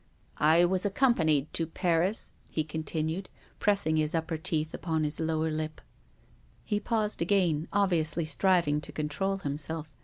" I was accompanied to Paris," he continued, pressing his upper teeth upon his lower lip. He paused again, obviously striving to control himself.